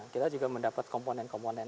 kita juga mendapat komponen komponen